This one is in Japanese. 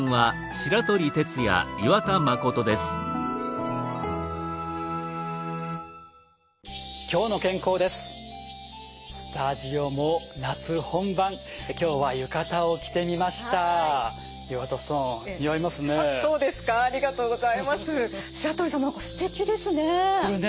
白鳥さんもすてきですね。